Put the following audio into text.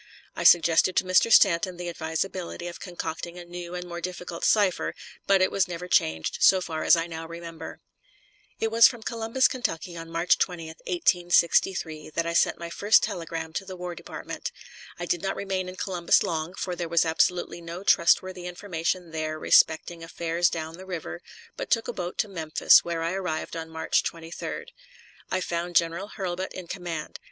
I suggested to Mr. Stanton the advisability of concocting a new and more difficult cipher, but it was never changed, so far as I now remember. It was from Columbus, Ky., on March 20, 1863, that I sent my first telegram to the War Department. I did not remain in Columbus long, for there was absolutely no trustworthy information there respecting affairs down the river, but took a boat to Memphis, where I arrived on March 23d. I found General Hurlbut in command.